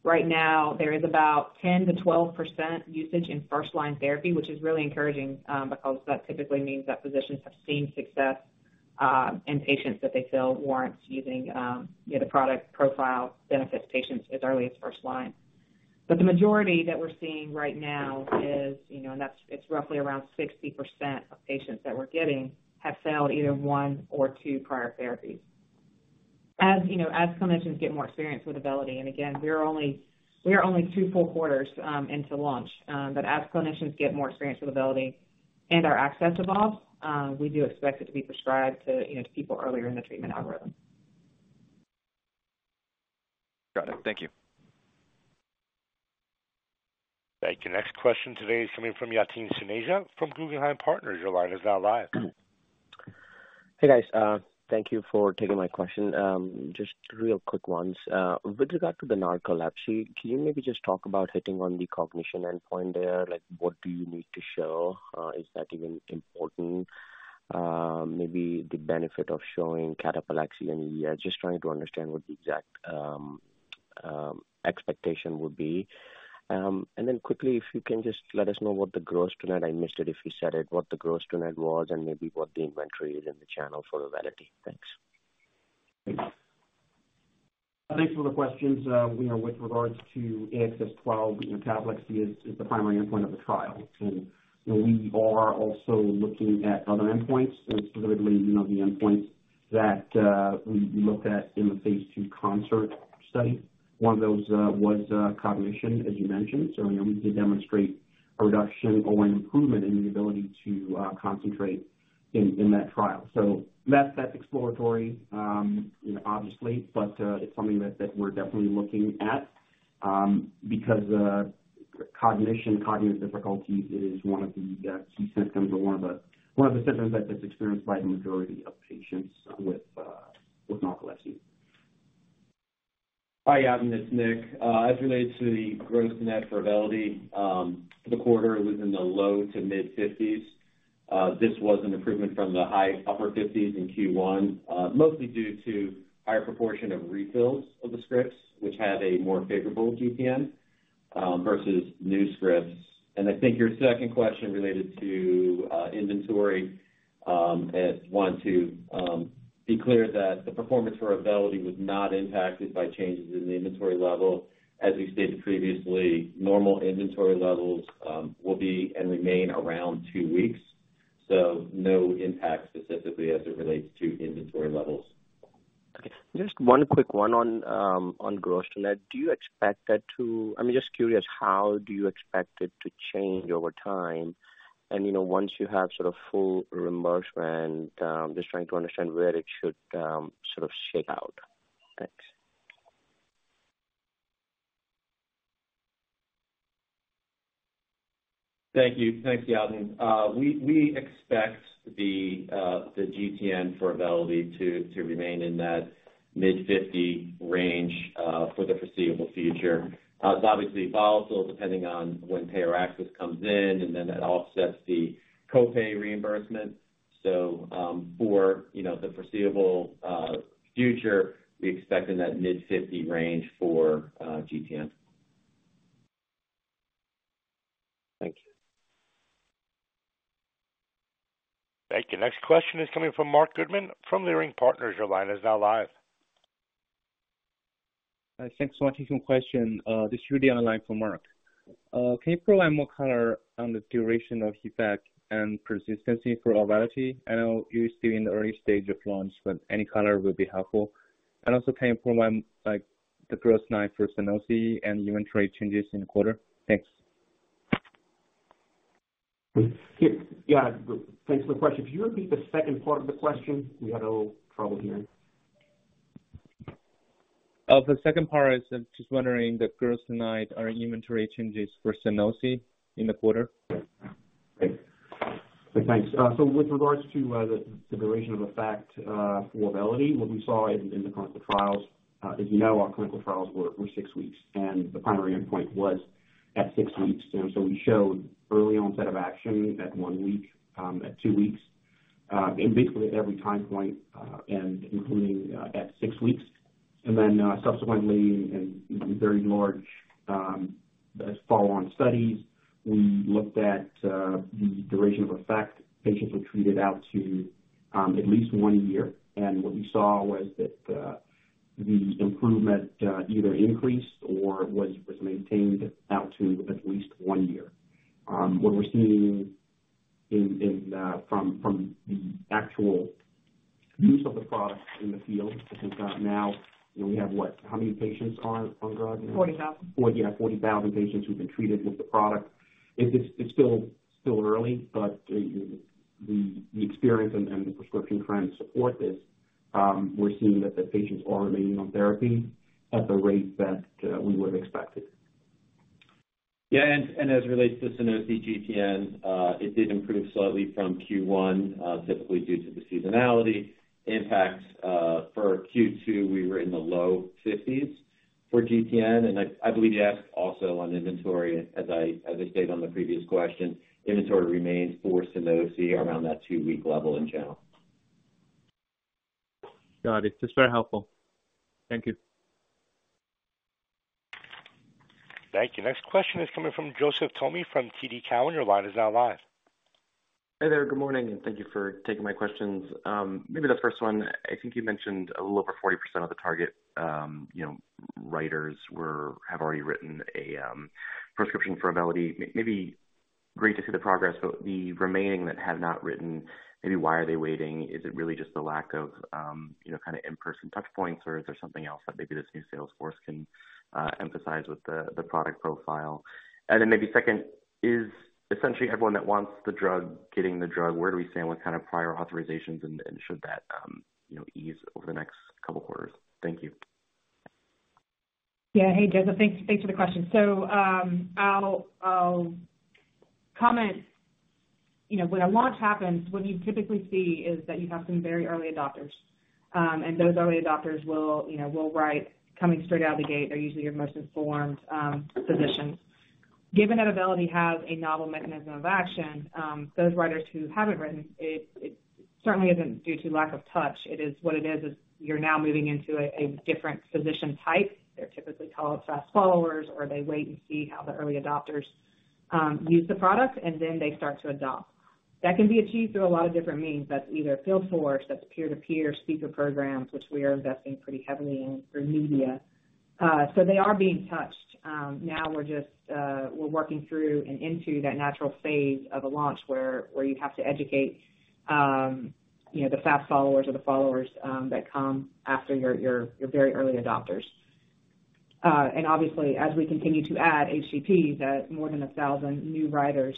Right now, there is about 10%-12% usage in first-line therapy, which is really encouraging, because that typically means that physicians have seen success in patients that they feel warrants using, you know, the product profile benefits patients as early as first line. The majority that we're seeing right now is, you know, it's roughly around 60% of patients that we're getting have failed either one or two prior therapies. As, you know, as clinicians get more experience with Auvelity, and again, we are only, we are only 2 full quarters into launch. As clinicians get more experience with Auvelity and our access evolves, we do expect it to be prescribed to, you know, to people earlier in the treatment algorithm. Got it. Thank you. Thank you. Next question today is coming from Yatin Suneja from Guggenheim Securities. Your line is now live. Hey, guys, thank you for taking my question. Just real quick ones. With regard to the narcolepsy, can you maybe just talk about hitting on the cognition endpoint there? Like, what do you need to show? Is that even important? Maybe the benefit of showing cataplexy and yeah, just trying to understand what the exact expectation would be. Then quickly, if you can just let us know what the gross-to-net I missed it, if you said it, what the gross-to-net was, and maybe what the inventory is in the channel for Auvelity. Thanks. Thanks for the questions. you know, with regards to AXS-12, you know, cataplexy is, is the primary endpoint of the trial. you know, we are also looking at other endpoints, and specifically, you know, the endpoint that we looked at in the phase 2 CONCERT study. One of those was cognition, as you mentioned. you know, we did demonstrate a reduction or an improvement in the ability to concentrate in, in that trial. That's, that's exploratory, you know, obviously, but it's something that, that we're definitely looking at, because cognition, cognitive difficulty is one of the key symptoms or one of the, one of the symptoms that is experienced by the majority of patients with narcolepsy. Hi, Yatin, it's Nick. As it relates to the gross net for Auvelity, for the quarter, it was in the low to mid-50s. This was an improvement from the high upper 50s in Q1, mostly due to higher proportion of refills of the scripts, which had a more favorable GTN versus new scripts. I think your second question related to inventory, and want to be clear that the performance for Auvelity was not impacted by changes in the inventory level. As we stated previously, normal inventory levels will be and remain around 2 weeks, so no impact specifically as it relates to inventory levels. Okay, just 1 quick one on, on Gross Net. Do you expect that to... I'm just curious, how do you expect it to change over time? You know, once you have sort of full reimbursement, just trying to understand where it should, sort of shake out. Thanks. Thank you. Thanks, Yatin. We expect the GTN for Auvelity to remain in that mid-50 range for the foreseeable future. It's obviously volatile, depending on when payer access comes in, and then that offsets the co-pay reimbursement. For, you know, the foreseeable future, we expect in that mid-50 range for GTN. Thank you. Thank you. Next question is coming from Marc Goodman from Leerink Partners. Your line is now live. Thanks so much. Take some question. This should be on the line for Marc. Can you provide more color on the duration of effect and persistency for Auvelity? I know you're still in the early stage of launch, but any color would be helpful. Also, can you provide the gross-to-net for Sunosi and inventory changes in the quarter? Thanks. Yeah. Thanks for the question. Could you repeat the second part of the question? We had a little trouble hearing. The second part is, I'm just wondering, the gross-to-net, are inventory changes for Sunosi in the quarter? Thanks. With regards to the duration of effect for Auvelity, what we saw in, in the clinical trials, as you know, our clinical trials were, were six weeks, and the primary endpoint was at six weeks. We showed early onset of action at one week, at two weeks, and basically at every time point, and including at six weeks. Subsequently, in, in very large, as follow-on studies, we looked at the duration of effect. Patients were treated out to at least one year. What we saw was that the improvement either increased or was, was maintained out to at least one year. What we're seeing in, in from, from the actual use of the product in the field, because now we have what? How many patients are on drug now? $40,000. 40,000 patients who've been treated with the product. It's, it's still, still early, but the, the experience and, and the prescription trends support this. We're seeing that the patients are remaining on therapy at the rate that we would have expected. As it relates to Sunosi GTN, it did improve slightly from Q1, typically due to the seasonality impacts. For Q2, we were in the low 50s for GTN, and I, I believe you asked also on inventory. As I, as I stated on the previous question, inventory remains for Sunosi around that 2-week level in general. Got it. It's very helpful. Thank you. Thank you. Next question is coming from Joseph Thome from TD Cowen. Your line is now live. Hi there. Good morning. Thank you for taking my questions. Maybe the first, I think you mentioned a little over 40% of the target, you know, writers have already written a prescription for Auvelity. Maybe great to see the progress, but the remaining that have not written, maybe why are they waiting? Is it really just the lack of, you know, kind of in-person touchpoints, or is there something else that maybe this new sales force can emphasize with the product profile? Then maybe second, is essentially everyone that wants the drug getting the drug, where do we stand with kind of prior authorizations and should that, you know, ease over the next 2 quarters? Thank you. Yeah. Hey, Joseph. Thanks, thanks for the question. I'll comment. You know, when a launch happens, what you typically see is that you have some very early adopters. Those early adopters will, you know, will write, coming straight out the gate, are usually your most informed physicians. Given that Auvelity has a novel mechanism of action, those writers who haven't written it, it certainly isn't due to lack of touch. It is, what it is, is you're now moving into a different physician type. They're typically called fast followers, or they wait and see how the early adopters use the product, and then they start to adopt. That can be achieved through a lot of different means. That's either field force, that's peer-to-peer speaker programs, which we are investing pretty heavily in, through media. They are being touched. Now we're just, we're working through and into that natural phase of a launch where, where you have to educate, you know, the fast followers or the followers, that come after your, your, your very early adopters. Obviously, as we continue to add HCPs, that more than 1,000 new writers,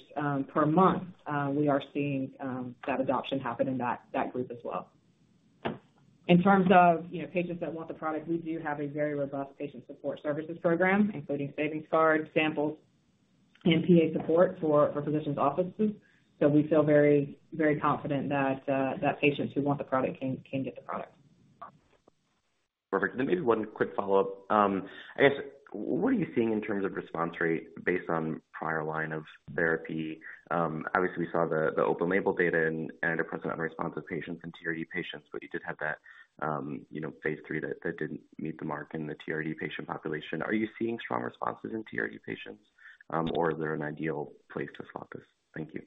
per month, we are seeing, that adoption happen in that, that group as well. In terms of, you know, patients that want the product, we do have a very robust patient support services program, including savings cards, samples, and PA support for, for physicians' offices. We feel very, very confident that, that patients who want the product can, can get the product. Perfect. Then maybe one quick follow-up. I guess, what are you seeing in terms of response rate based on prior line of therapy? Obviously, we saw the open label data in antidepressant-unresponsive patients and TRD patients, you did have that, you know, phase 3 that didn't meet the mark in the TRD patient population. Are you seeing strong responses in TRD patients, or is there an ideal place to focus? Thank you.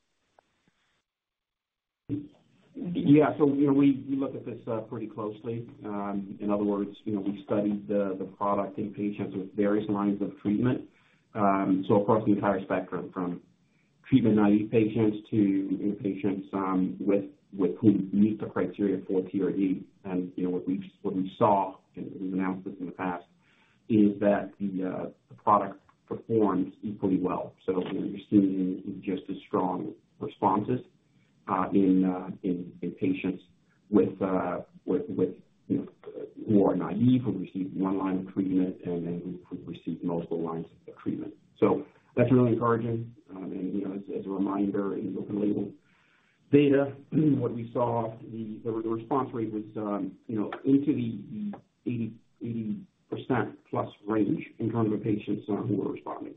Yeah. So, you know, we, we look at this pretty closely. In other words, you know, we studied the product in patients with various lines of treatment. So across the entire spectrum, from treatment-naive patients to patients with, with who meet the criteria for TRD. You know, what we, what we saw, and we've announced this in the past, is that the product performs equally well. We're seeing just as strong responses in patients with, with, with, you know, who are naive, who received one line of treatment, and then who received multiple lines of treatment. That's really encouraging. You know, as, as a reminder, in open label data, what we saw, the, the response rate was, you know, into the, the 80, 80% plus range in terms of patients, who were responding.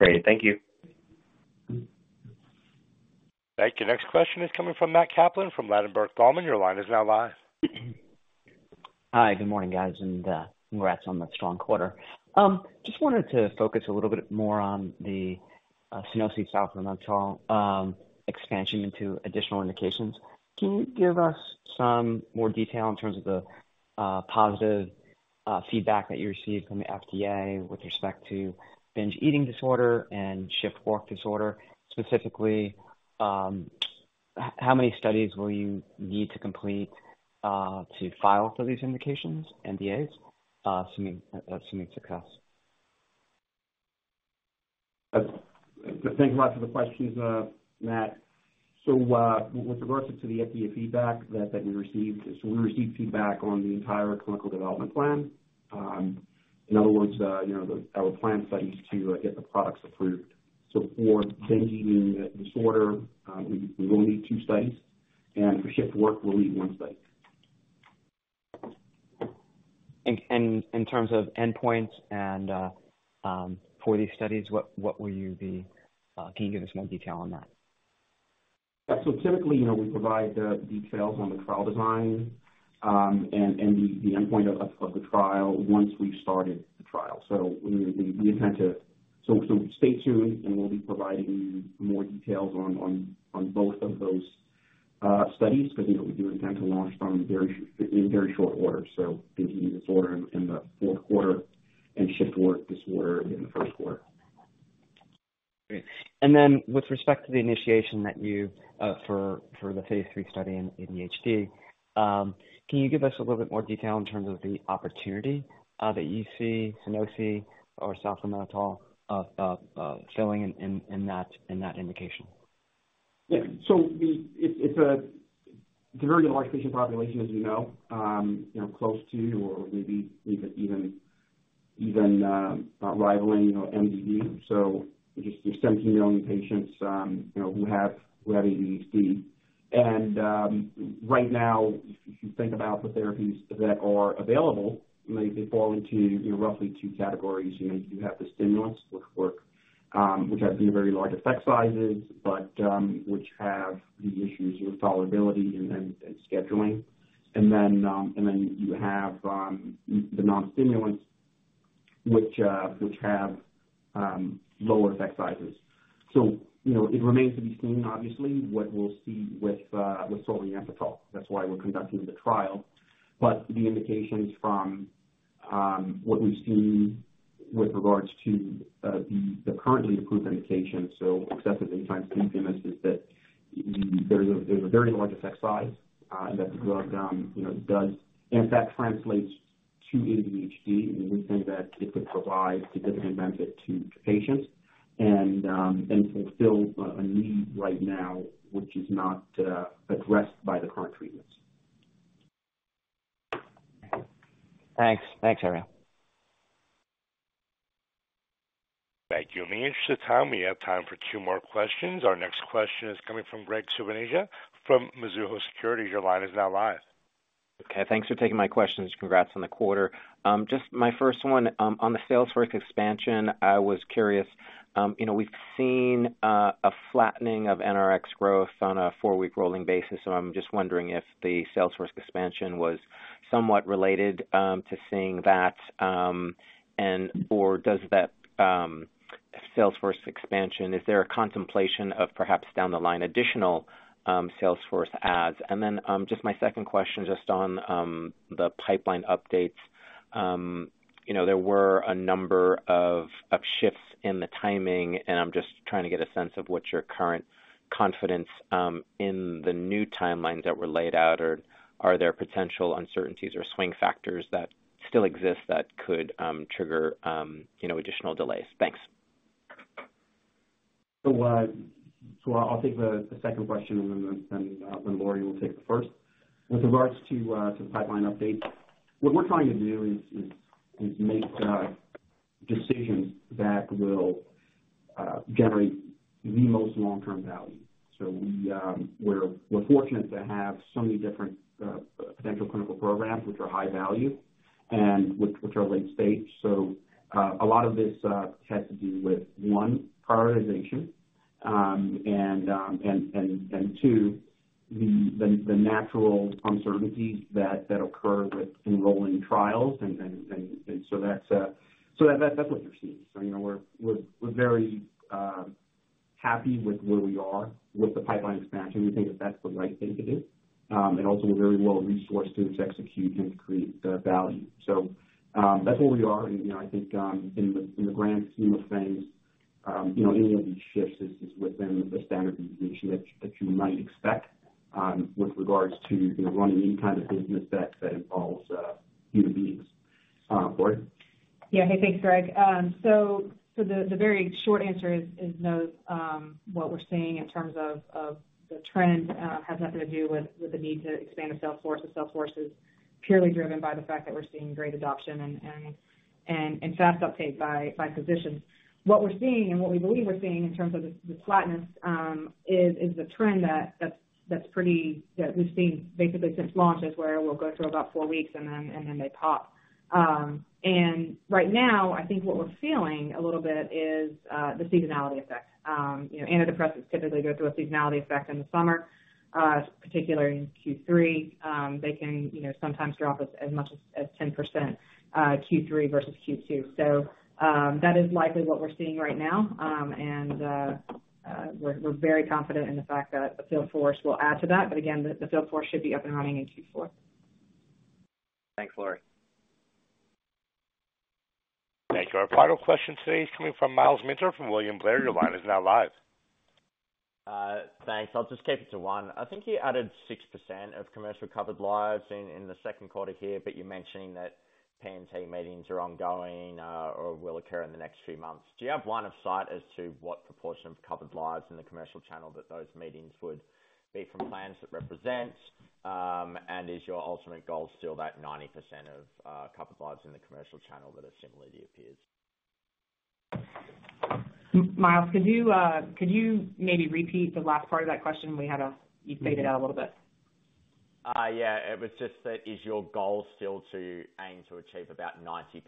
Great. Thank you. Thank you. Next question is coming from Matt Kaplan from Ladenburg Thalmann. Your line is now live. Hi, good morning, guys, and congrats on the strong quarter. Just wanted to focus a little bit more on the SUNOSI solriamfetol expansion into additional indications. Can you give us some more detail in terms of the positive feedback that you received from the FDA with respect to binge eating disorder and shift work disorder? Specifically, how many studies will you need to complete to file for these indications, NDAs, assuming, assuming success? Thanks a lot for the questions, Matt. With regards to the FDA feedback that we received, we received feedback on the entire clinical development plan. In other words, you know, our planned studies to get the products approved. For binge eating disorder, we only need 2 studies, and for shift work, we'll need 1 study. And in terms of endpoints and, for these studies, can you give us more detail on that? Yeah. Typically, you know, we provide the details on the trial design, and the endpoint of the trial once we've started the trial. We, we intend to stay tuned, and we'll be providing more details on both of those studies. But, you know, we do intend to launch from very, in very short order. Binge eating disorder in the fourth quarter and shift work disorder in the first quarter. Great. Then with respect to the initiation that you for the phase 3 study in ADHD, can you give us a little bit more detail in terms of the opportunity that you see Sunosi or solriamfetol filling in that indication? Yeah, so the, it's, it's a, it's a very large patient population, as you know, you know, close to or maybe even, even, rivaling, you know, MDD. Just 17 million patients, you know, who have, who have ADHD. Right now, if you think about the therapies that are available, they fall into, you know, roughly two categories. You know, you have the stimulants, which work, which have, you know, very large effect sizes, but, which have the issues with solubility and, and, and scheduling. Then you have the non-stimulants, which have lower effect sizes. You know, it remains to be seen, obviously, what we'll see with, with solriamfetol. That's why we're conducting the trial. The indications from what we've seen with regards to the, the currently approved indications, so except for daytime sleepiness, is that there's a, there's a very large effect size, and that the drug, you know, does, in fact, translates to ADHD, and we think that it could provide significant benefit to patients and, and fulfill a, a need right now, which is not addressed by the current treatments. Thanks. Thanks, Herriot. Thank you. In the interest of time, we have time for two more questions. Our next question is coming from Graig Suvannavejh from Mizuho Securities. Your line is now live. Okay, thanks for taking my questions. Congrats on the quarter. Just my first one, on the sales force expansion, I was curious. You know, we've seen a flattening of NRX growth on a 4-week rolling basis, so I'm just wondering if the sales force expansion was somewhat related to seeing that, and/or does that sales force expansion, is there a contemplation of perhaps down the line additional sales force adds? Just my second question, just on the pipeline updates. You know, there were a number of, of shifts in the timing, and I'm just trying to get a sense of what's your current confidence in the new timelines that were laid out, or are there potential uncertainties or swing factors that still exist that could trigger, you know, additional delays? Thanks. I'll take the second question, and then Lori will take the first. With regards to the pipeline update, what we're trying to do is make decisions that will generate the most long-term value. We're fortunate to have so many different potential clinical programs which are high value and which are late stage. A lot of this has to do with, one, prioritization, and two, the natural uncertainties that occur with enrolling trials. That's what you're seeing. You know, we're very happy with where we are with the pipeline expansion. We think that that's the right thing to do, and also we're very well resourced to execute and create value. That's where we are, and, you know, I think in the, in the grand scheme of things, you know, any of these shifts is, is within the standard deviation that you, that you might expect with regards to, you know, running any kind of business that, that involves human beings. Lori? Yeah. Hey, thanks, Graig. The, the very short answer is, is no, what we're seeing in terms of, of the trend, has nothing to do with, with the need to expand the sales force. The sales force is purely driven by the fact that we're seeing great adoption and, and, and, and fast uptake by, by physicians. What we're seeing and what we believe we're seeing in terms of the, the flatness, is, is a trend that, that's, that's pretty that we've seen basically since launch, is where we'll go through about four weeks, and then, and then they pop. Right now, I think what we're feeling a little bit is, the seasonality effect. You know, antidepressants typically go through a seasonality effect in the summer, particularly in Q3. They can, you know, sometimes drop as, as much as, as 10%, Q3 versus Q2. That is likely what we're seeing right now. We're, we're very confident in the fact that the field force will add to that, but again, the, the field force should be up and running in Q4. Thanks, Lori. Thank you. Our final question today is coming from Myles Minter from William Blair. Your line is now live. Thanks. I'll just keep it to one. I think you added 6% of commercial covered lives in, in the second quarter here, but you're mentioning that P&T meetings are ongoing, or will occur in the next few months. Do you have line of sight as to what proportion of covered lives in the commercial channel that those meetings would be from plans that represent? Is your ultimate goal still that 90% of covered lives in the commercial channel that are similarly appeared? Myles, could you, could you maybe repeat the last part of that question? We had you faded out a little bit. Yeah, it was just that, is your goal still to aim to achieve about 90%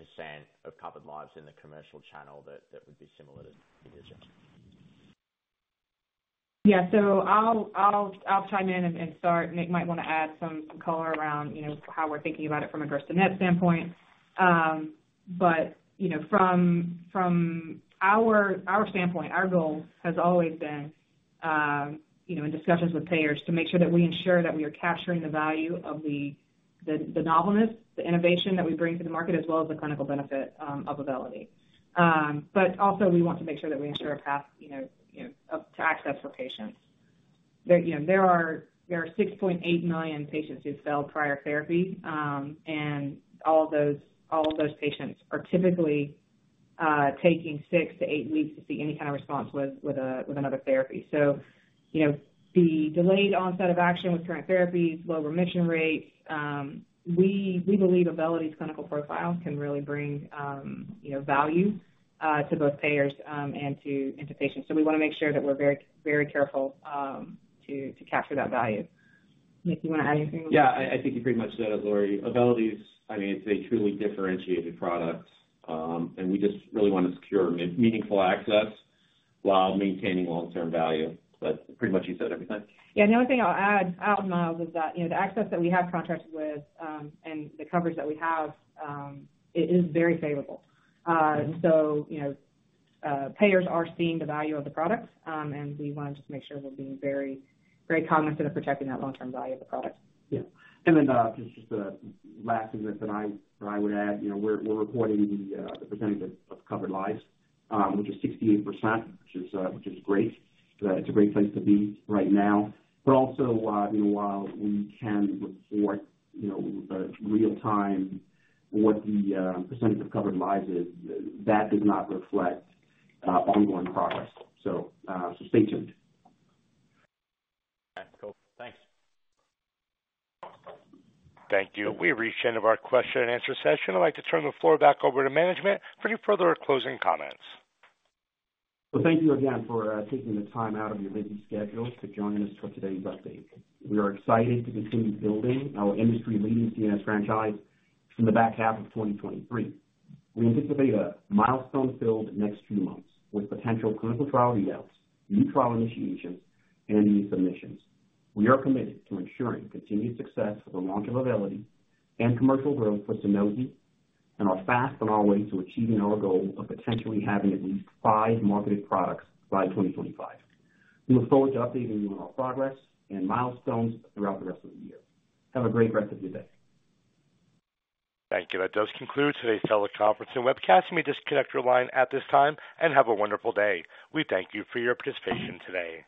of covered lives in the commercial channel, that, that would be similar to position? Yeah. I'll, I'll, I'll chime in and, and start. Nick might want to add some color around, you know, how we're thinking about it from a gross-to-net standpoint. From, you know, from, from our, our standpoint, our goal has always been, you know, in discussions with payers, to make sure that we ensure that we are capturing the value of the, the, the novelness, the innovation that we bring to the market, as well as the clinical benefit, of Auvelity. Also we want to make sure that we ensure a path, you know, you know, of, to access for patients. There, you know, there are, there are 6.8 million patients who've failed prior therapy, and all of those, all of those patients are typically-... Taking six to eight weeks to see any kind of response with, with another therapy. You know, the delayed onset of action with current therapies, low remission rates, we, we believe Auvelity's clinical profile can really bring, you know, value, to both payers, and to, and to patients. We want to make sure that we're very, very careful, to, to capture that value. Nick, do you want to add anything? Yeah, I, I think you pretty much said it, Lori. Auvelity's, I mean, it's a truly differentiated product, and we just really want to secure meaningful access while maintaining long-term value. Pretty much you said everything. Yeah, the only thing I'll add, I'll add, Myles, is that, you know, the access that we have contracted with, and the coverage that we have, it is very favorable. So, you know, payers are seeing the value of the product, and we want to just make sure we're being very, very cognizant of protecting that long-term value of the product. Yeah. Then, just the last thing that I would add, you know, we're reporting the percentage of covered lives, which is 68%, which is great. It's a great place to be right now. Also, you know, while we can report, you know, real time what the percentage of covered lives is, that does not reflect ongoing progress. So stay tuned. Cool. Thanks. Thank you. We've reached the end of our question and answer session. I'd like to turn the floor back over to management for any further closing comments. Well, thank you again for taking the time out of your busy schedule to join us for today's update. We are excited to continue building our industry-leading CNS franchise in the back half of 2023. We anticipate a milestone-filled next few months with potential clinical trial reads, new trial initiations, and new submissions. We are committed to ensuring continued success for the launch of Auvelity and commercial growth for Sunosi, and are fast on our way to achieving our goal of potentially having at least five marketed products by 2025. We look forward to updating you on our progress and milestones throughout the rest of the year. Have a great rest of your day. Thank you. That does conclude today's teleconference and webcast. You may disconnect your line at this time, and have a wonderful day. We thank you for your participation today.